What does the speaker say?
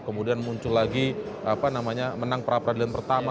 kemudian muncul lagi menang perapradilan pertama